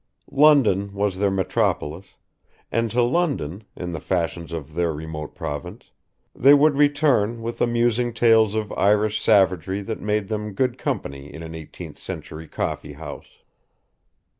London was their metropolis, and to London, in the fashions of their remote province, they would return with amusing tales of Irish savagery that made them good company in an eighteenth century coffee house.